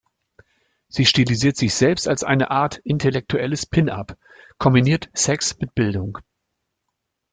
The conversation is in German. Sie stilisiert sich selbst als eine Art intellektuelles Pin-up, kombiniert Sex mit Bildung.